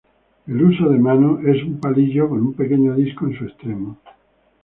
El huso de mano es un palillo con un pequeño disco en su extremo.